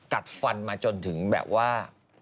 กัดฟันมาจนถึงแบบว่า